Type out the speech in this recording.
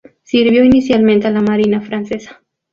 Sirvió inicialmente a la Marina francesa.